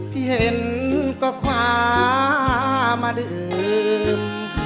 เห็นก็คว้ามาดื่ม